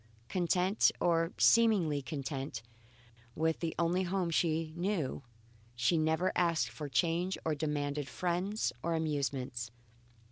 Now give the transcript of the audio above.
Content, or seemingly content, with the only home she knew, she never asked for change or demanded friends or amusements.